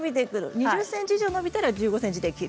２０ｃｍ以上伸びたら１５ｃｍで切る。